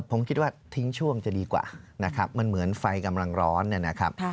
ผมคิดว่าทิ้งช่วงจะดีกว่านะครับมันเหมือนไฟกำลังร้อนนะครับ